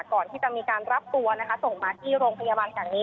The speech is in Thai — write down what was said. ก่อนที่จะมีการรับตัวนะคะส่งมาที่โรงพยาบาลแห่งนี้